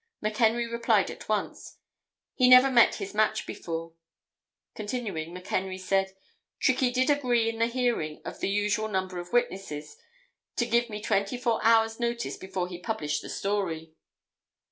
McHenry replied at once, "He never met his match before." Continuing, McHenry said, "Trickey did agree in the hearing of the usual number of witnesses to give me twenty four hours notice before he published the story.